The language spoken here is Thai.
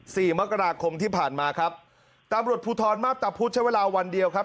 สี่มกราคมที่ผ่านมาครับตำรวจภูทรมาพตะพุธใช้เวลาวันเดียวครับ